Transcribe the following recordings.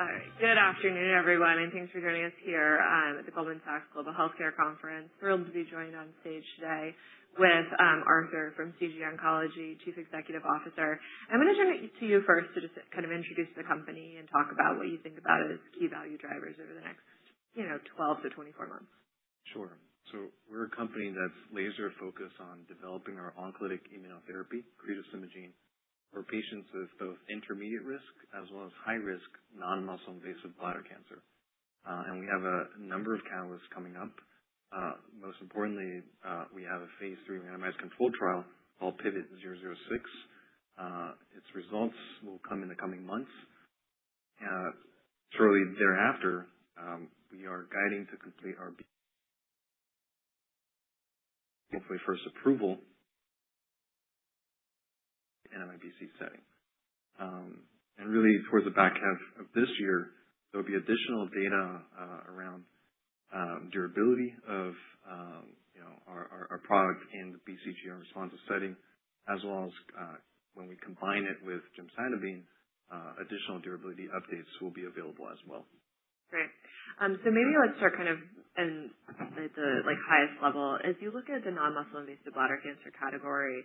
All right. Good afternoon, everyone, thanks for joining us here at the Goldman Sachs Global Healthcare Conference. Thrilled to be joined on stage today with Arthur from CG Oncology, Chief Executive Officer. I'm going to turn it to you first to just introduce the company and talk about what you think about as key value drivers over the next 12-24 months. Sure. We're a company that's laser focused on developing our oncolytic immunotherapy, cretostimogene, for patients with both intermediate risk as well as high risk non-muscle invasive bladder cancer. We have a number of catalysts coming up. Most importantly, we have a phase III randomized controlled trial called PIVOT-006. Its results will come in the coming months. Shortly thereafter, we are guiding to complete our hopefully first approval in NMIBC setting. Really towards the back half of this year, there'll be additional data around durability of our product in the BCG unresponsive setting, as well as when we combine it with gemcitabine, additional durability updates will be available as well. Great. Maybe let's start at the highest level. As you look at the non-muscle invasive bladder cancer category,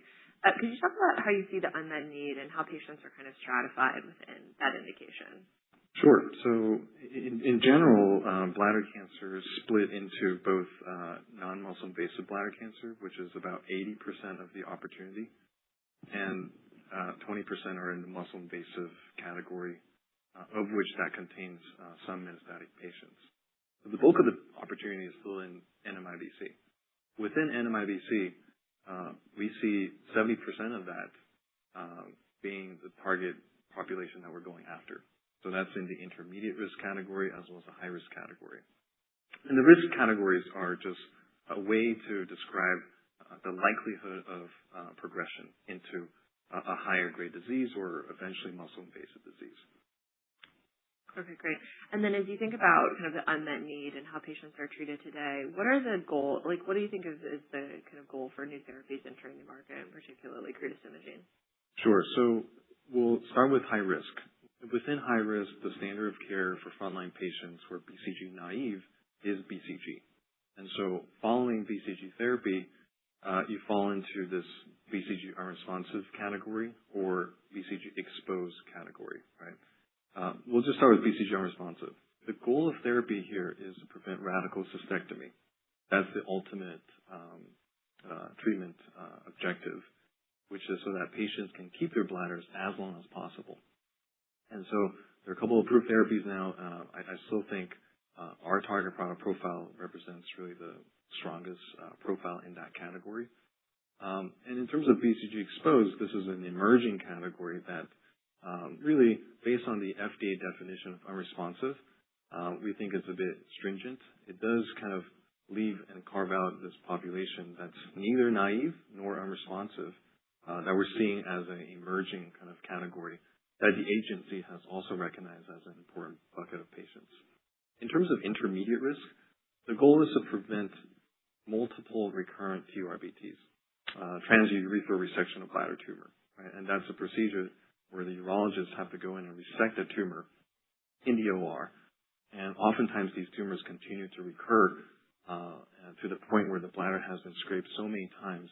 could you talk about how you see the unmet need and how patients are stratified within that indication? Sure. In general, bladder cancer is split into both non-muscle invasive bladder cancer, which is about 80% of the opportunity, and 20% are in the muscle-invasive category, of which that contains some metastatic patients. The bulk of the opportunity is still in NMIBC. Within NMIBC, we see 70% of that being the target population that we're going after. That's in the intermediate risk category as well as the high risk category. The risk categories are just a way to describe the likelihood of progression into a higher grade disease or eventually muscle-invasive disease. Okay, great. As you think about the unmet need and how patients are treated today, what do you think is the goal for new therapies entering the market, and particularly cretostimogene? Sure. We'll start with high risk. Within high risk, the standard of care for frontline patients who are BCG naive is BCG. Following BCG therapy, you fall into this BCG unresponsive category or BCG exposed category. We'll just start with BCG unresponsive. The goal of therapy here is to prevent radical cystectomy. That's the ultimate treatment objective, which is so that patients can keep their bladders as long as possible. There are a couple of approved therapies now. I still think our target product profile represents really the strongest profile in that category. In terms of BCG exposed, this is an emerging category that really based on the FDA definition of unresponsive, we think is a bit stringent. It does leave and carve out this population that's neither naive nor unresponsive, that we're seeing as an emerging kind of category, that the agency has also recognized as an important bucket of patients. In terms of intermediate risk, the goal is to prevent multiple recurrent TURBTs, transurethral resection of bladder tumor. That's a procedure where the urologists have to go in and resect a tumor in the OR. Oftentimes these tumors continue to recur to the point where the bladder has been scraped so many times,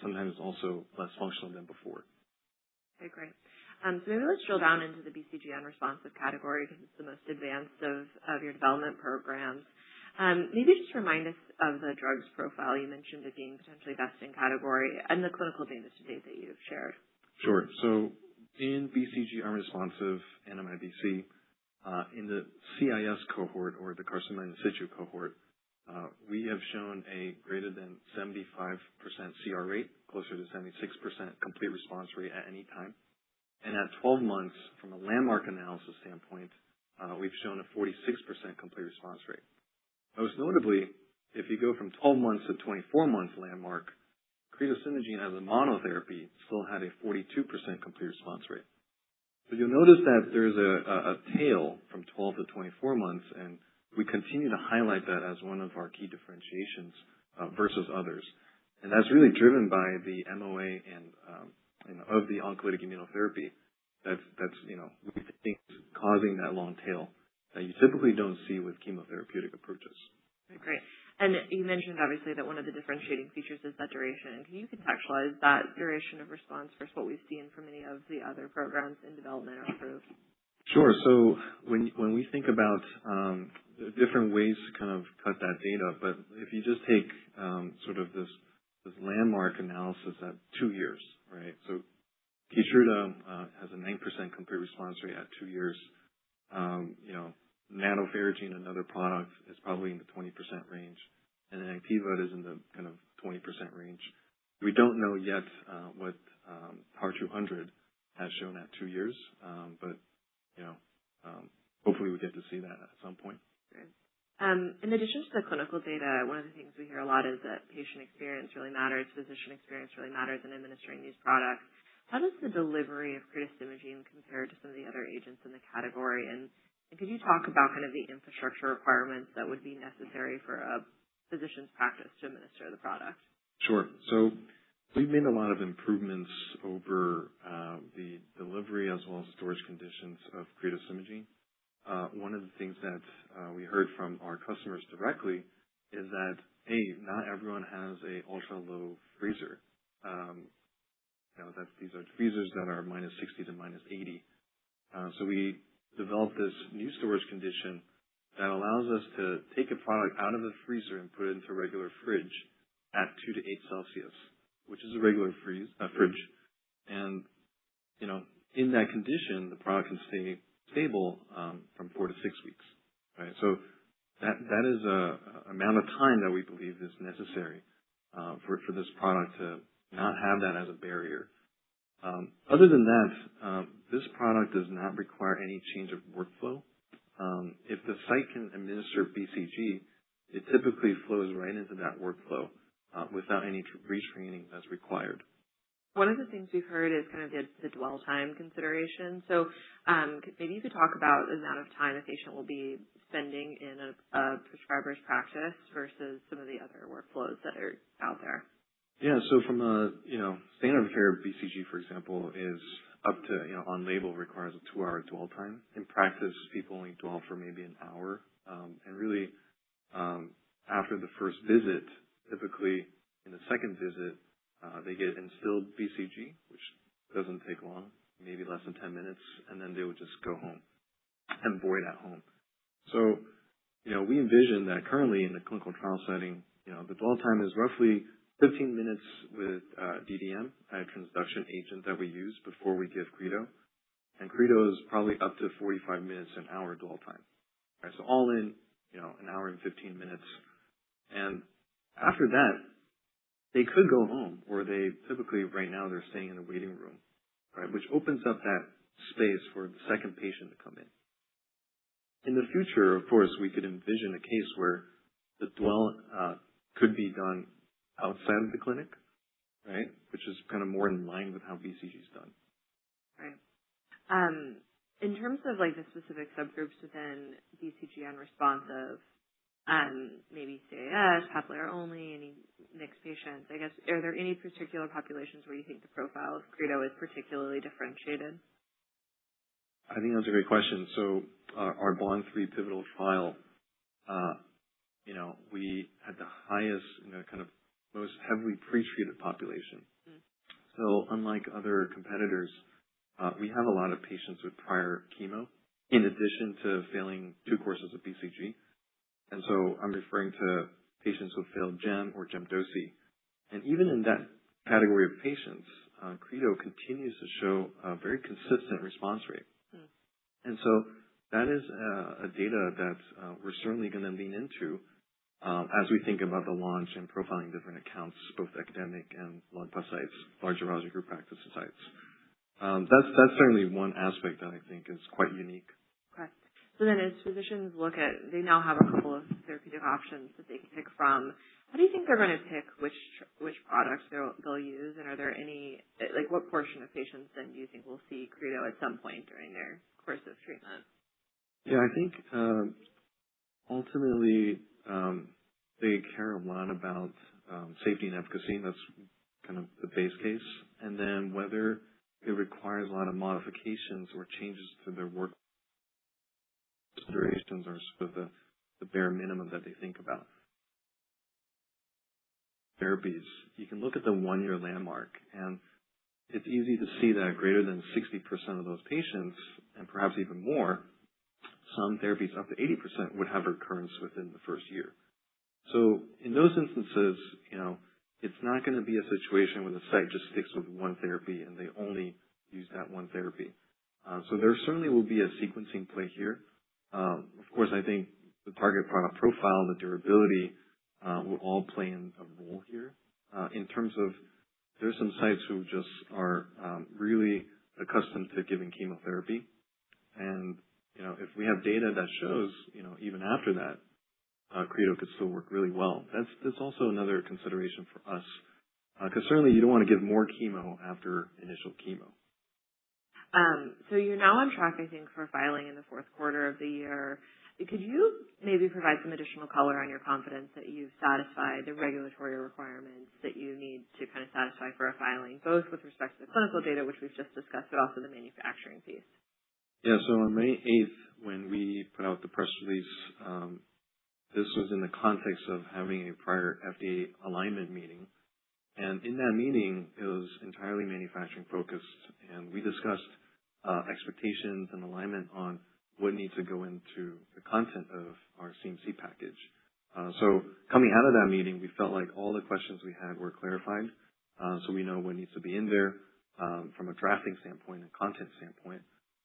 sometimes also less functional than before. Okay, great. Maybe let's drill down into the BCG unresponsive category because it's the most advanced of your development programs. Maybe just remind us of the drug's profile. You mentioned it being potentially best in category and the clinical data to date that you have shared. In BCG unresponsive NMIBC, in the CIS cohort or the carcinoma in situ cohort, we have shown a greater than 75% CR rate, closer to 76% complete response rate at any time. At 12 months, from a landmark analysis standpoint, we've shown a 46% complete response rate. Most notably, if you go from 12 months-24 months landmark, cretostimogene as a monotherapy still had a 42% complete response rate. You'll notice that there's a tail from 12-24 months, and we continue to highlight that as one of our key differentiations versus others. That's really driven by the MOA and of the oncolytic immunotherapy that we think is causing that long tail that you typically don't see with chemotherapeutic approaches. Great. You mentioned obviously that one of the differentiating features is that duration. Can you contextualize that duration of response versus what we've seen from any of the other programs in development or approved? Sure. When we think about the different ways to cut that data, if you just take this landmark analysis at two years. KEYTRUDA has a 9% complete response rate at two years. nadofaragene firadenovec, another product, is probably in the 20% range, and then Atevio is in the 20% range. We don't know yet what TAR-200 has shown at two years. Hopefully we get to see that at some point. Great. In addition to the clinical data, one of the things we hear a lot is that patient experience really matters, physician experience really matters in administering these products. How does the delivery of cretostimogene compare to some of the other agents in the category? Could you talk about the infrastructure requirements that would be necessary for a physician's practice to administer the product? Sure. We've made a lot of improvements over the delivery as well as storage conditions of cretostimogene. One of the things that we heard from our customers directly is that, A, not everyone has an ultra-low freezer. These are freezers that are -60 to -80. We developed this new storage condition that allows us to take a product out of the freezer and put it into a regular fridge at two to eight degrees Celsius, which is a regular fridge. In that condition, the product can stay stable from four to six weeks. That is an amount of time that we believe is necessary for this product to not have that as a barrier. Other than that, this product does not require any change of workflow. If the site can administer BCG, it typically flows right into that workflow without any retrainings as required. One of the things we've heard is the dwell time consideration. Maybe you could talk about the amount of time a patient will be spending in a prescriber's practice versus some of the other workflows that are out there. Yeah. From a standard care BCG, for example, on label, requires a two-hour dwell time. In practice, people only dwell for maybe an hour. Really, after the first visit, typically in the second visit, they get instilled BCG, which doesn't take long, maybe less than ten minutes, and then they would just go home and void at home. We envision that currently in the clinical trial setting, the dwell time is roughly 15 minutes with DDM, a transduction agent that we use before we give Creto. Creto is probably up to 45 minutes, an hour dwell time. All in, an hour and 15 minutes. After that, they could go home or they typically, right now, they're staying in the waiting room. Which opens up that space for the second patient to come in. In the future, of course, we could envision a case where the dwell could be done outside of the clinic which is more in line with how BCG's done. Right. In terms of the specific subgroups within BCG-unresponsive, maybe CIS, papillary only, any mixed patients, I guess, are there any particular populations where you think the profile of Creto is particularly differentiated? I think that's a great question. Our BOND-003 pivotal trial, we had the highest, most heavily pretreated population. Unlike other competitors, we have a lot of patients with prior chemo in addition to failing two courses of BCG. I'm referring to patients who failed Gem or gemcitabine. Even in that category of patients, Creto continues to show a very consistent response rate. That is data that we're certainly going to lean into as we think about the launch and profiling different accounts, both academic and large practice sites, large oncology group practice sites. That's certainly one aspect that I think is quite unique. Okay. As physicians look at, they now have a couple of therapeutic options that they can pick from. What do you think they're going to pick which products they'll use? What portion of patients then do you think we'll see Creto at some point during their course of treatment? Yeah, I think, ultimately, they care a lot about safety and efficacy. That's the base case. Whether it requires a lot of modifications or changes to their work considerations or the bare minimum that they think about therapies. You can look at the one-year landmark, and it's easy to see that greater than 60% of those patients, and perhaps even more, some therapies up to 80% would have recurrence within the first year. In those instances, it's not going to be a situation where the site just sticks with one therapy and they only use that one therapy. There certainly will be a sequencing play here. Of course, I think the target product profile, the durability, will all play in a role here. In terms of there's some sites who just are really accustomed to giving chemotherapy, and if we have data that shows even after that, Creto could still work really well. That's also another consideration for us, because certainly you don't want to give more chemo after initial chemo. You're now on track, I think, for filing in the fourth quarter of the year. Could you maybe provide some additional color on your confidence that you've satisfied the regulatory requirements that you need to satisfy for a filing, both with respect to the clinical data, which we've just discussed, but also the manufacturing piece? Yeah. On May 8th, when we put out the press release, this was in the context of having a prior FDA alignment meeting. In that meeting, it was entirely manufacturing-focused, and we discussed expectations and alignment on what needs to go into the content of our CMC package. Coming out of that meeting, we felt like all the questions we had were clarified. We know what needs to be in there, from a drafting standpoint and content standpoint.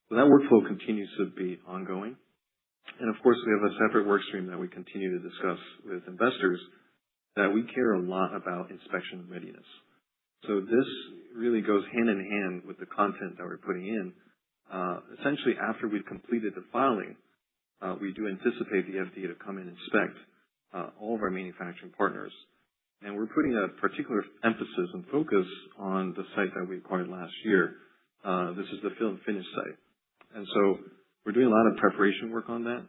That workflow continues to be ongoing. Of course, we have a separate work stream that we continue to discuss with investors that we care a lot about inspection readiness. This really goes hand-in-hand with the content that we're putting in. Essentially, after we've completed the filing, we do anticipate the FDA to come and inspect all of our manufacturing partners. We're putting a particular emphasis and focus on the site that we acquired last year. This is the fill and finish site. We're doing a lot of preparation work on that.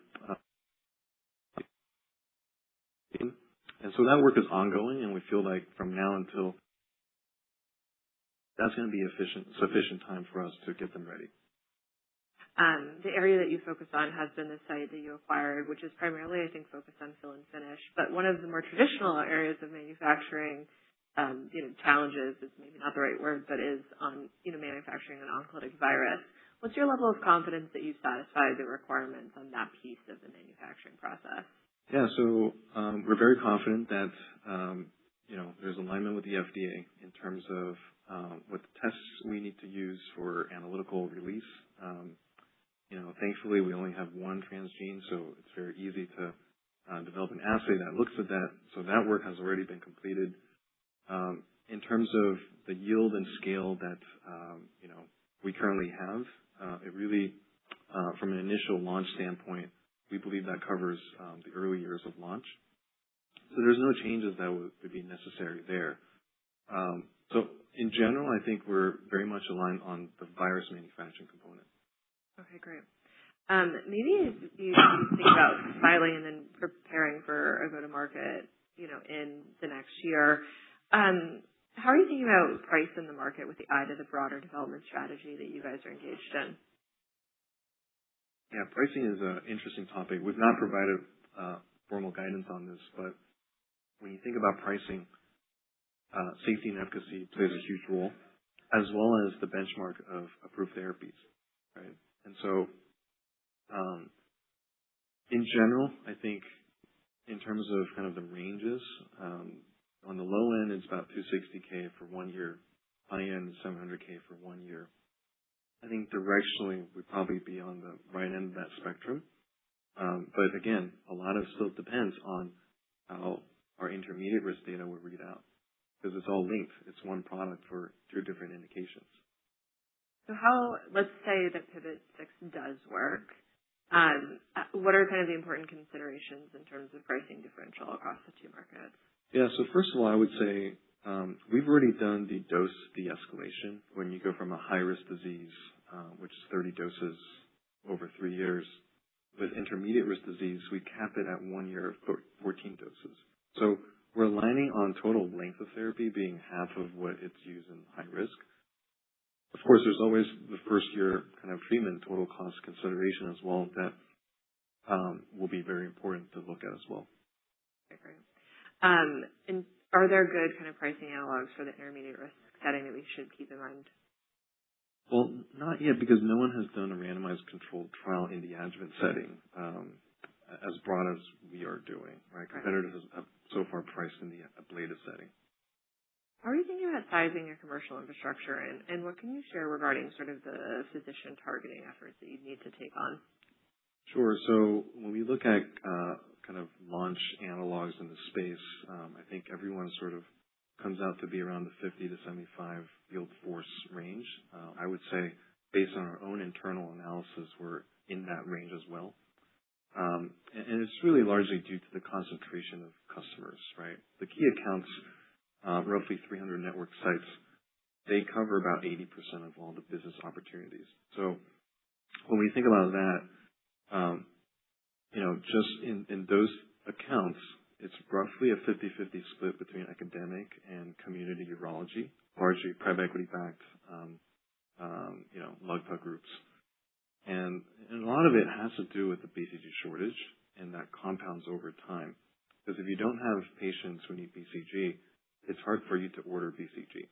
That work is ongoing, and we feel like from now until that's going to be sufficient time for us to get them ready. The area that you focused on has been the site that you acquired, which is primarily, I think, focused on fill and finish, but one of the more traditional areas of manufacturing, challenges is maybe not the right word, but is on manufacturing an oncolytic virus. What's your level of confidence that you've satisfied the requirements on that piece of the manufacturing process? Yeah. We're very confident that there's alignment with the FDA in terms of what tests we need to use for analytical release. Thankfully, we only have one transgene, so it's very easy to develop an assay that looks at that. That work has already been completed. In terms of the yield and scale that we currently have, from an initial launch standpoint, we believe that covers the early years of launch. There's no changes that would be necessary there. In general, I think we're very much aligned on the virus manufacturing component. Okay, great. Maybe as you think about filing and preparing for a go-to-market in the next year, how are you thinking about pricing the market with the eye to the broader development strategy that you guys are engaged in? Pricing is an interesting topic. We've not provided formal guidance on this. When you think about pricing, safety and efficacy plays a huge role, as well as the benchmark of approved therapies. Right? In general, I think in terms of the ranges, on the low end, it's about $260K for one year, high end $700K for one year. I think directionally, we'd probably be on the right end of that spectrum. Again, a lot of still depends on how our intermediate-risk data will read out, because it's all linked. It's one product for two different indications. Let's say that PIVOT-006 does work. What are the important considerations in terms of pricing differential across the two markets? First of all, I would say, we've already done the dose de-escalation. When you go from a high-risk disease, which is 30 doses over three years, with intermediate-risk disease, we cap it at one year of 14 doses. We're aligning on total length of therapy being half of what it's used in high risk. Of course, there's always the first year kind of treatment total cost consideration as well. That will be very important to look at as well. I agree. Are there good pricing analogs for the intermediate-risk setting that we should keep in mind? Well, not yet, because no one has done a randomized controlled trial in the adjuvant setting as broad as we are doing, right? Competitors have so far priced in the ablative setting. How are you thinking about sizing your commercial infrastructure, and what can you share regarding sort of the physician targeting efforts that you'd need to take on? When we look at kind of launch analogs in the space, I think everyone sort of comes out to be around the 50-75 field force range. I would say based on our own internal analysis, we're in that range as well. It's really largely due to the concentration of customers, right? The key accounts, roughly 300 network sites, they cover about 80% of all the business opportunities. When we think about that, just in those accounts, it's roughly a 50/50 split between academic and community urology, largely private equity-backed, large groups. A lot of it has to do with the BCG shortage and that compounds over time. Because if you don't have patients who need BCG, it's hard for you to order BCG.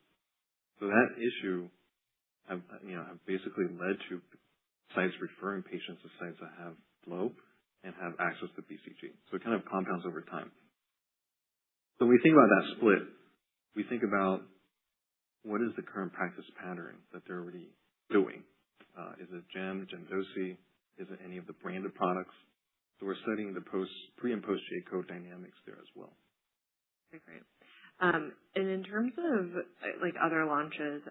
That issue have basically led to sites referring patients to sites that have flow and have access to BCG. It kind of compounds over time. When we think about that split, we think about what is the current practice pattern that they're already doing. Is it Gem, gemcitabine? Is it any of the branded products? We're studying the pre- and post-J-code dynamics there as well. Okay, great. In terms of other launches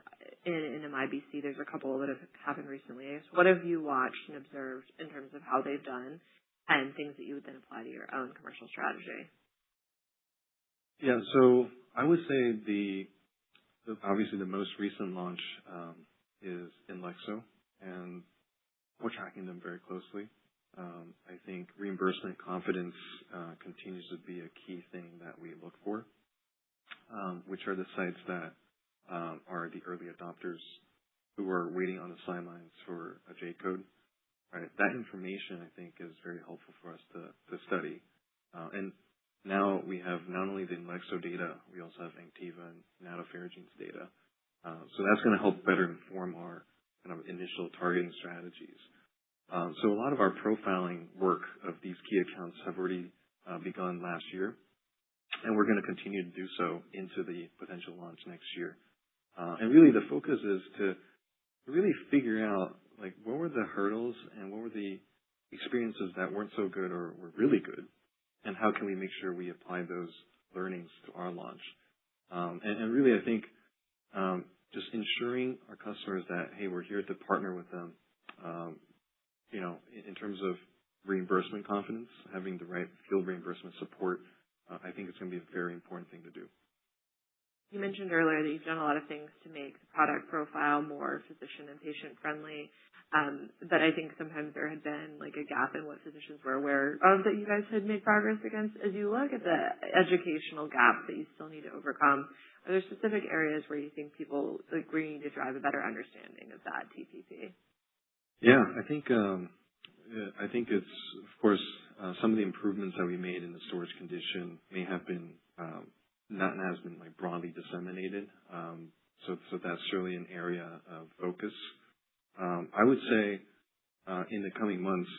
in NMIBC, there's a couple that have happened recently. What have you watched and observed in terms of how they've done and things that you would then apply to your own commercial strategy? Yeah. I would say obviously the most recent launch is Imlexxjo, we're tracking them very closely. I think reimbursement confidence continues to be a key thing that we look for, which are the sites that are the early adopters who are waiting on the sidelines for a J-code. Right? That information, I think, is very helpful for us to study. Now we have not only the Imlexxjo data, we also have ANKTIVA and NanoPharax's data. That's going to help better inform our kind of initial targeting strategies. A lot of our profiling work of these key accounts have already begun last year, and we're going to continue to do so into the potential launch next year. The focus is to really figure out what were the hurdles and what were the experiences that weren't so good or were really good, and how can we make sure we apply those learnings to our launch. Really, I think, just ensuring our customers that, hey, we're here to partner with them, in terms of reimbursement confidence, having the right field reimbursement support, I think it's going to be a very important thing to do. You mentioned earlier that you've done a lot of things to make product profile more physician and patient-friendly. I think sometimes there had been a gap in what physicians were aware of that you guys had made progress against. As you look at the educational gap that you still need to overcome, are there specific areas where you think where you need to drive a better understanding of that TPP? Yeah. I think, of course, some of the improvements that we made in the storage condition may have been, not has been broadly disseminated. That's certainly an area of focus. I would say, in the coming months,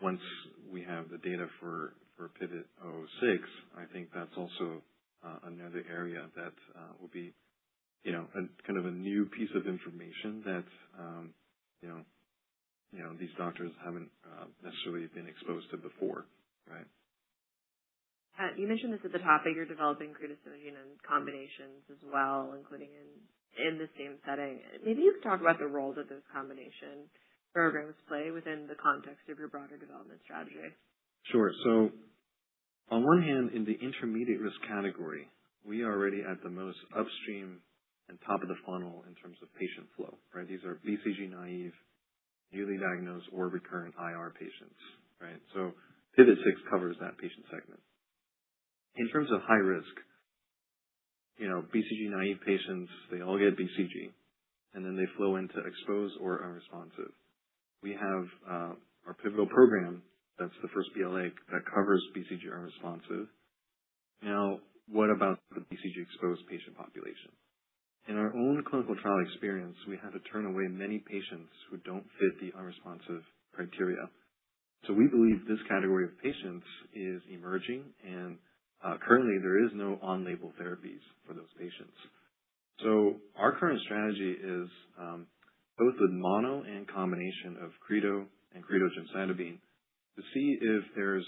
once we have the data for PIVOT-006, I think that's also another area that will be a new piece of information that these doctors haven't necessarily been exposed to before, right? You mentioned this at the top that you're developing cretostimogene in combinations as well, including in the same setting. Maybe you could talk about the roles that those combination programs play within the context of your broader development strategy. Sure. On one hand, in the intermediate-risk category, we are already at the most upstream and top of the funnel in terms of patient flow, right? These are BCG-naive, newly diagnosed, or recurrent IR patients. Right. PIVOT-006 covers that patient segment. In terms of high-risk, BCG-naive patients, they all get BCG, and then they flow into exposed or unresponsive. We have our pivotal program, that's the first BLA that covers BCG unresponsive. What about the BCG exposed patient population? In our own clinical trial experience, we had to turn away many patients who don't fit the unresponsive criteria. We believe this category of patients is emerging and currently there is no on-label therapies for those patients. Our current strategy is both the mono and combination of Creto and Creto-gem to see if there's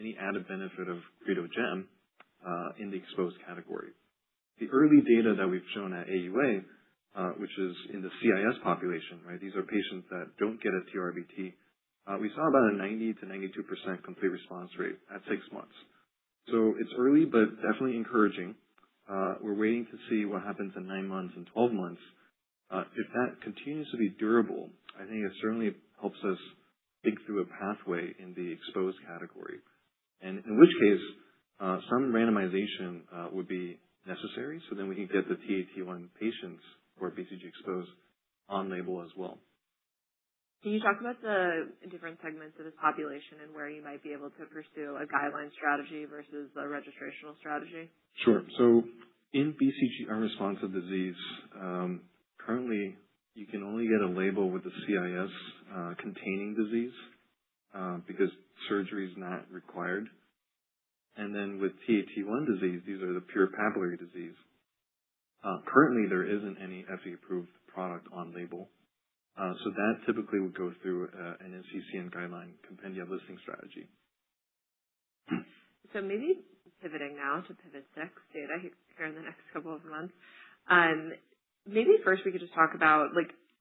any added benefit of Creto-gem in the exposed category. The early data that we've shown at AUA, which is in the CIS population, right? These are patients that don't get a TURBT. We saw about a 90%-92% complete response rate at 6 months. It's early, but definitely encouraging. We're waiting to see what happens in 9 months and 12 months. If that continues to be durable, I think it certainly helps us think through a pathway in the exposed category. In which case, some randomization would be necessary, we could get the Ta, T1 patients who are BCG exposed on label as well. Can you talk about the different segments of the population and where you might be able to pursue a guideline strategy versus a registrational strategy? Sure. In BCG unresponsive disease, currently you can only get a label with the CIS-containing disease, because surgery is not required. With Ta, T1 disease, these are the pure papillary disease. Currently, there isn't any FDA-approved product on label. That typically would go through an NCCN guideline compendium listing strategy. Maybe pivoting now to PIVOT-006 data here in the next couple of months. Maybe first we could just talk about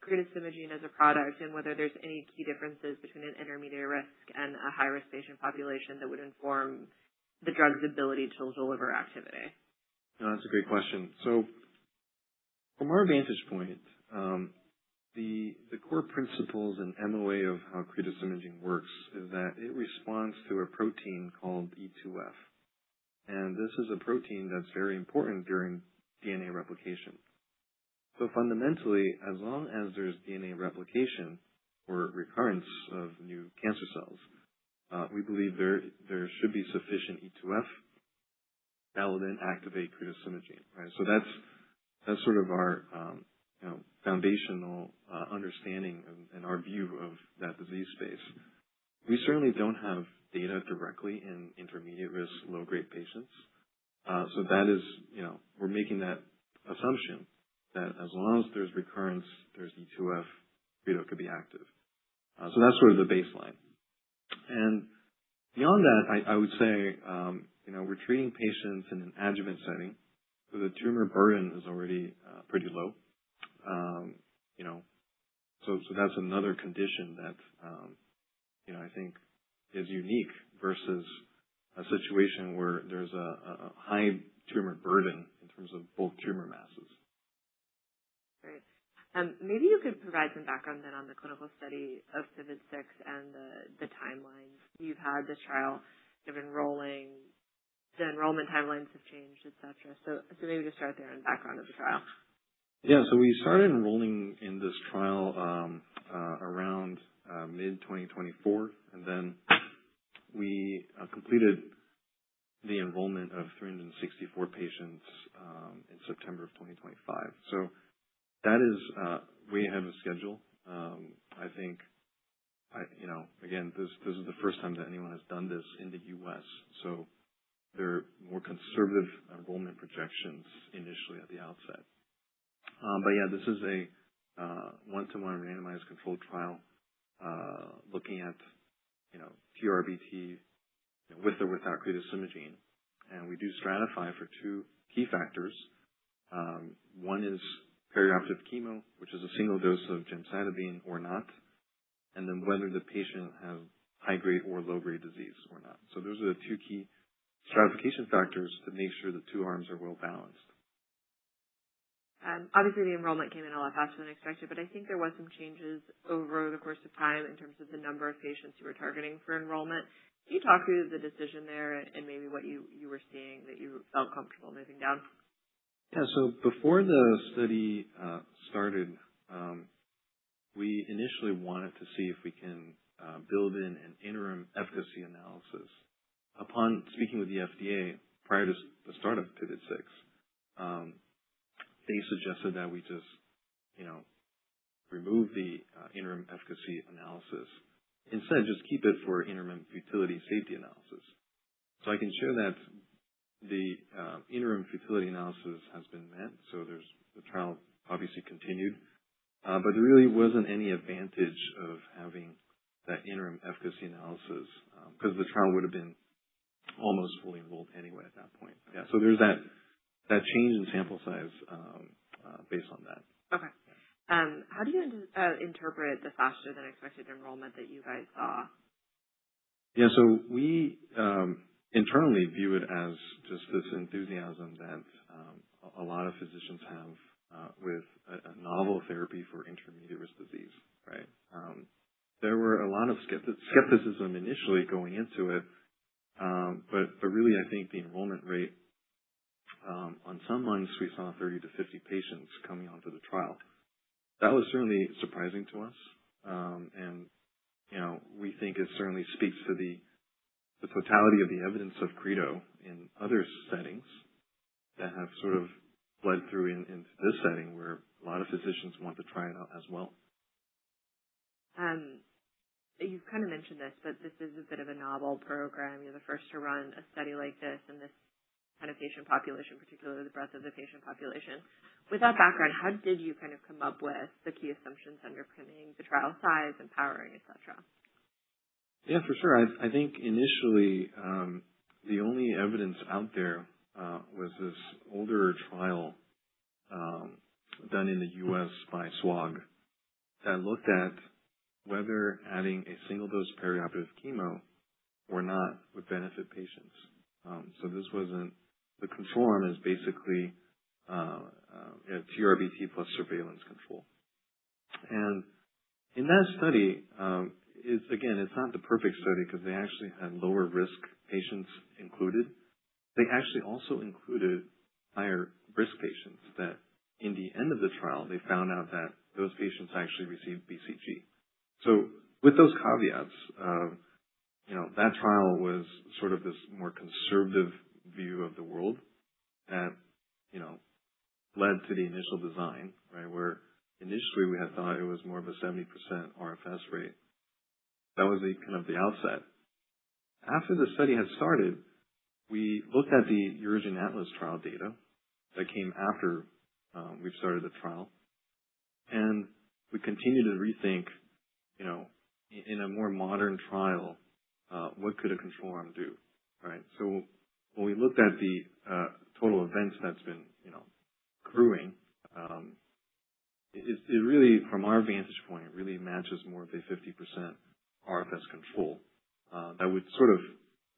cretostimogene as a product and whether there's any key differences between an intermediate-risk and a high-risk patient population that would inform the drug's ability to deliver activity. No, that's a great question. From our vantage point, the core principles and MOA of how cretostimogene works is that it responds to a protein called E2F. This is a protein that's very important during DNA replication. Fundamentally, as long as there's DNA replication or recurrence of new cancer cells, we believe there should be sufficient E2F that will then activate cretostimogene, right? That's our foundational understanding and our view of that disease space. We certainly don't have data directly in intermediate-risk, low-grade patients. That is we're making that assumption that as long as there's recurrence, there's E2F, Creto could be active. That's the baseline. Beyond that, I would say, we're treating patients in an adjuvant setting. The tumor burden is already pretty low. That's another condition that I think is unique versus a situation where there's a high-tumor burden in terms of both tumor masses. Great. Maybe you could provide some background then on the clinical study of PIVOT-006 and the timelines. You've had the trial of enrolling. The enrollment timelines have changed, et cetera. Maybe just start there on the background of the trial. Yeah. We started enrolling in this trial around mid-2024, and then we completed the enrollment of 364 patients in September of 2025. That is, we ahead of schedule. I think, again, this is the first time that anyone has done this in the U.S., there are more conservative enrollment projections initially at the outset. Yeah, this is a one-to-one randomized controlled trial, looking at TURBT with or without cretostimogene. We do stratify for two key factors. One is perioperative chemo, which is a single dose of gemcitabine or not. And then whether the patient have high-grade or low-grade disease or not. Those are the two key stratification factors to make sure the two arms are well-balanced. Obviously, the enrollment came in a lot faster than expected, I think there were some changes over the course of time in terms of the number of patients you were targeting for enrollment. Can you talk through the decision there and maybe what you were seeing that you felt comfortable moving down? Yeah. Before the study started, we initially wanted to see if we can build in an interim efficacy analysis. Upon speaking with the FDA, prior to the start of PIVOT-006, they suggested that we just remove the interim efficacy analysis. Instead, just keep it for interim futility safety analysis. I can show that the interim futility analysis has been met. The trial obviously continued. There really wasn't any advantage of having that interim efficacy analysis, because the trial would've been almost fully enrolled anyway at that point. Yeah. There's that change in sample size based on that. Okay. How do you interpret the faster-than-expected enrollment that you guys saw? We internally view it as just this enthusiasm that a lot of physicians have with a novel therapy for intermediate-risk disease. Right? There was a lot of skepticism initially going into it. Really, I think the enrollment rate, on some months we saw 30-50 patients coming onto the trial. That was certainly surprising to us. We think it certainly speaks to the totality of the evidence of Creto in other settings that have sort of bled through into this setting, where a lot of physicians want to try it out as well. You've kind of mentioned this is a bit of a novel program. You're the first to run a study like this in this kind of patient population, particularly the breadth of the patient population. With that background, how did you come up with the key assumptions underpinning the trial size and powering, et cetera? For sure. I think initially, the only evidence out there was this older trial done in the U.S. by SWOG that looked at whether adding a single-dose perioperative chemo or not would benefit patients. The control arm is basically a TURBT plus surveillance control. In that study, again, it's not the perfect study because they actually had lower-risk patients included. They actually also included higher-risk patients that in the end of the trial, they found out that those patients actually received BCG. With those caveats, that trial was sort of this more conservative view of the world that led to the initial design. Right? Where initially we had thought it was more of a 70% RFS rate. That was kind of the outset. After the study had started, we looked at the UroGen ATLAS trial data that came after we started the trial, we continued to rethink in a more modern trial, what could a control arm do? Right? When we looked at the total events that's been accruing, from our vantage point, it really matches more of a 50% RFS control. That would sort of,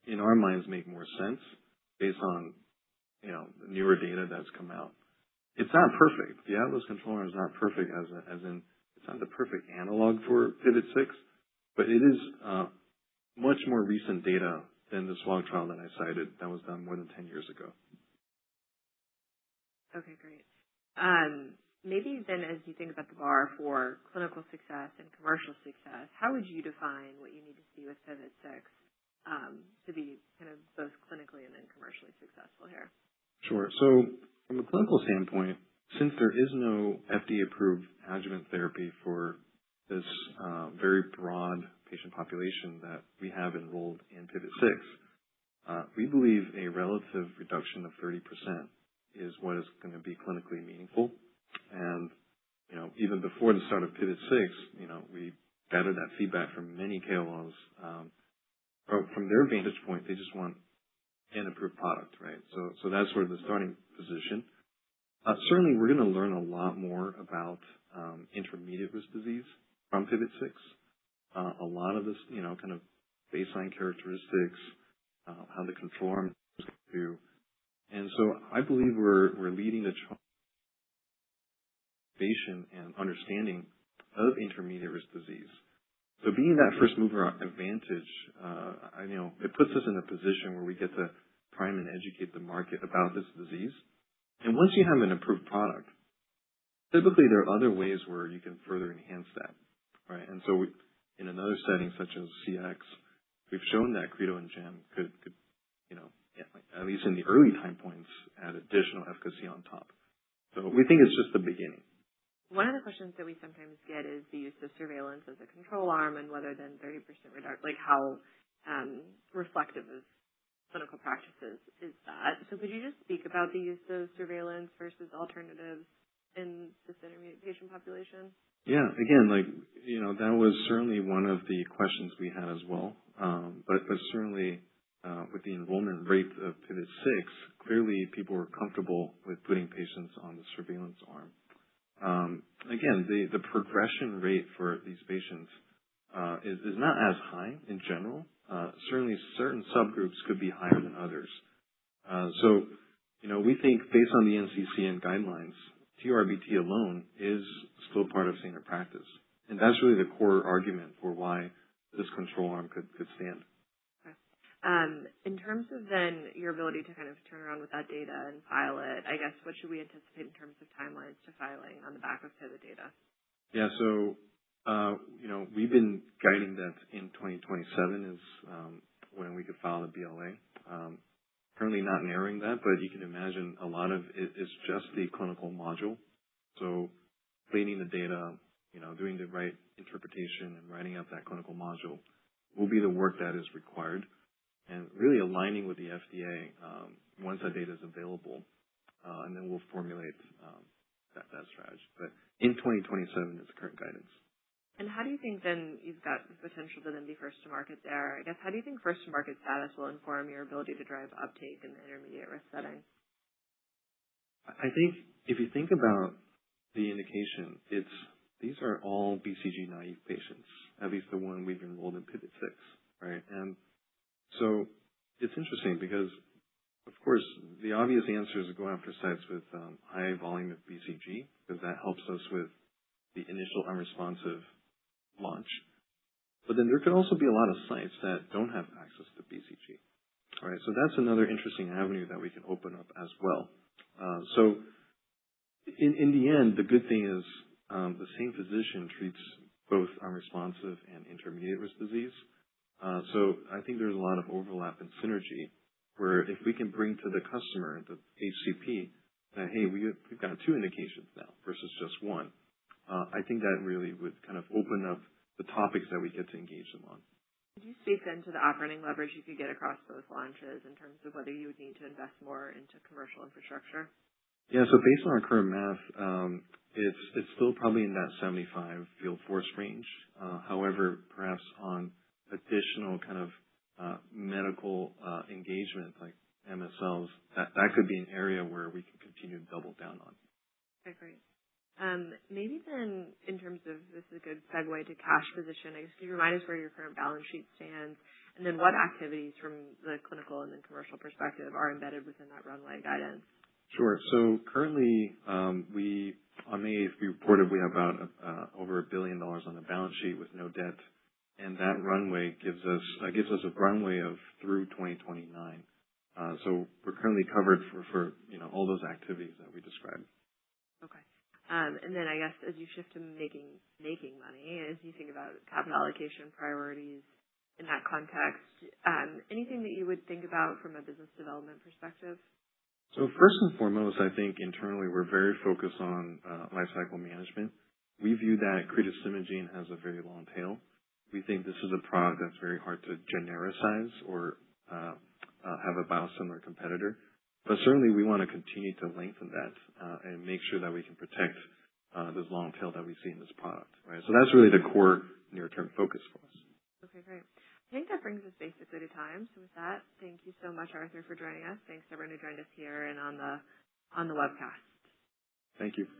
in our minds, make more sense based on the newer data that's come out. It's not perfect. The ATLAS control arm is not perfect, as in it's not the perfect analog for PIVOT-006, but it is much more recent data than the SWOG trial that I cited that was done more than 10 years ago. Okay, great. Maybe as you think about the bar for clinical success and commercial success, how would you define what you need to see with PIVOT-006 to be both clinically and then commercially successful here? Sure. From a clinical standpoint, since there is no FDA-approved adjuvant therapy for this very broad patient population that we have enrolled in PIVOT-006, we believe a relative reduction of 30% is what is going to be clinically meaningful. Even before the start of PIVOT-006, we gathered that feedback from many KOLs. From their vantage point, they just want an approved product, right? That's sort of the starting position. Certainly, we're going to learn a lot more about intermediate-risk disease from PIVOT-006. A lot of this kind of baseline characteristics, how the control arms do. I believe we're leading the charge in understanding of intermediate-risk disease. Being that first-mover advantage, it puts us in a position where we get to prime and educate the market about this disease. Once you have an approved product, typically there are other ways where you can further enhance that. Right? In another setting such as CIS, we've shown that Creto and Gem could, at least in the early time points, add additional efficacy on top. We think it's just the beginning. One of the questions that we sometimes get is the use of surveillance as a control arm and whether then 30% reduction, like how reflective of clinical practices is that? Could you just speak about the use of surveillance versus alternatives in this intermediate patient population? Yeah. Again, that was certainly one of the questions we had as well. Certainly, with the enrollment rate of PIVOT-006, clearly people are comfortable with putting patients on the surveillance arm. Again, the progression rate for these patients is not as high in general. Certainly, certain subgroups could be higher than others. We think based on the NCCN guidelines, TURBT alone is still part of standard practice, and that's really the core argument for why this control arm could stand. Okay. In terms of your ability to turn around with that data and file it, I guess, what should we anticipate in terms of timelines to filing on the back of PIVOT data? Yeah. We've been guiding that in 2027 is when we could file the BLA. Currently not narrowing that. You can imagine a lot of it is just the clinical module. Cleaning the data, doing the right interpretation, and writing up that clinical module will be the work that is required and really aligning with the FDA once that data's available. Then we'll formulate that strategy. In 2027 is the current guidance. How do you think you've got the potential to then be first-to-market there, I guess how do you think first-to-market status will inform your ability to drive uptake in the intermediate-risk setting? I think if you think about the indication, these are all BCG naive patients, at least the one we've enrolled in PIVOT-006. Right? It's interesting because, of course, the obvious answer is go after sites with high volume of BCG because that helps us with the initial unresponsive launch. There could also be a lot of sites that don't have access to BCG. Right? That's another interesting avenue that we can open up as well. In the end, the good thing is, the same physician treats both unresponsive and intermediate-risk disease. I think there's a lot of overlap in synergy where if we can bring to the customer, the HCP that, "Hey, we've got two indications now versus just one." I think that really would open up the topics that we get to engage them on. Could you speak then to the operating leverage you could get across those launches in terms of whether you would need to invest more into commercial infrastructure? Yeah. Based on our current math, it's still probably in that 75 field force range. However, perhaps on additional kind of medical engagement like MSLs, that could be an area where we can continue to double down on. I agree. Maybe then in terms of this is a good segue to cash position, I guess, can you remind us where your current balance sheet stands, and then what activities from the clinical and then commercial perspective are embedded within that runway guidance? Sure. Currently, on May 8th, we reported we have over $1 billion on the balance sheet with no debt, and that gives us a runway through 2029. We're currently covered for all those activities that we described. Okay. Then I guess as you shift to making money, as you think about capital allocation priorities in that context, anything that you would think about from a business development perspective? First and foremost, I think internally we're very focused on life cycle management. We view that cretostimogene has a very long tail. We think this is a product that's very hard to genericize or have a biosimilar competitor. Certainly we want to continue to lengthen that and make sure that we can protect this long tail that we see in this product. Right? That's really the core near-term focus for us. Okay, great. I think that brings us basically to time. With that, thank you so much, Arthur, for joining us. Thanks everyone who joined us here and on the webcast. Thank you.